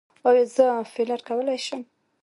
ایا زه فیلر کولی شم؟